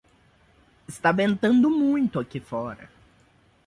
Está ventando muito aqui fora.